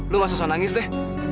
lu gak susah nangis deh